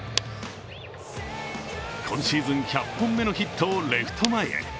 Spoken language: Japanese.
今シーズン１００本目のヒットをレフト前へ。